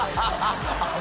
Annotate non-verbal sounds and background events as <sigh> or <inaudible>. ハハハ <laughs>